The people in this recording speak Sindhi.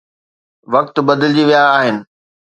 وقت بدلجي ويا آهن.